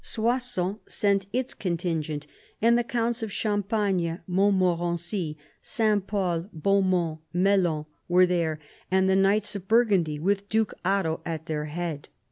Soissons sent its contingent and the counts of Champagne, Mont morency, S. Pol, Beaumont, Melun, were there, and the knights of Burgundy with duke Otto at their head.